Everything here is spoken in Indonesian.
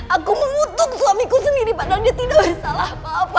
aku mengutuk suamiku sendiri pak dan dia tidak bersalah apa apa